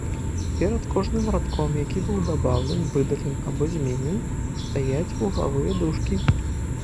Перад кожным радком, які быў дабаўлен, выдален або зменен, стаяць вуглавыя дужкі.